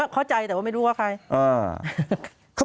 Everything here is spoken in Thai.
เข้าใจแต่ว่าไม่รู้ว่าใคร